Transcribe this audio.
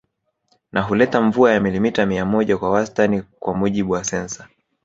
Na huleta mvua ya milimita mia moja kwa wastani kwa mujibu wa sensa